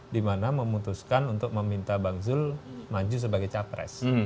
dimana memutuskan untuk meminta bang zul maju sebagai capres